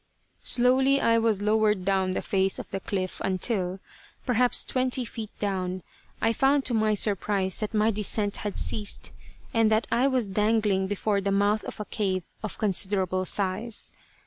Slowly I was lowered down the face of the cliff until, perhaps twenty feet down, I found to my surprise that my descent had ceased, and that I was dangling before the mouth of a cave of considerable size.